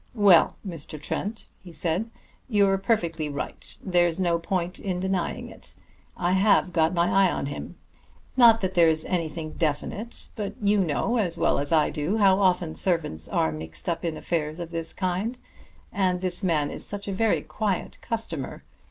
"Well, Mr. Trent," he said, "you're perfectly right. There's no point in denying it. I have got my eye on him. Not that there's anything definite; but you know, as well as I do, how often servants are mixed up in affairs of this kind, and this man is such a very quiet customer.